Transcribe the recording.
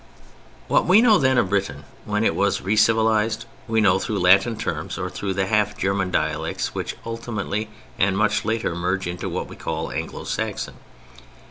What we know, then, of Britain when it was re civilized we know through Latin terms or through the half German dialects which ultimately and much later merge into what we call Anglo Saxon.